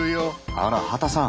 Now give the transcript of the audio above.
あら畑さん。